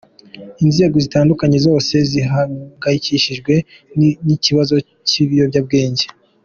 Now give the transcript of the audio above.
Inzego zitandukanye zose zihangayikishijwe n’ ikibazo cy’ ibiyobyabwenge”.